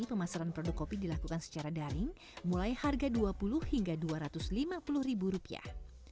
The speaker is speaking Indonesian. pemasaran produk kopi dilakukan secara daring mulai harga dua puluh hingga dua ratus lima puluh ribu rupiah